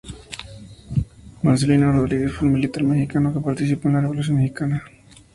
Marcelino Rodríguez fue un militar mexicano que participó en la Revolución mexicana.